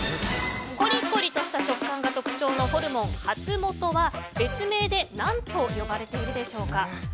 コリコリとした食感が特徴のホルモン、ハツモトは別名で何と呼ばれているでしょうか。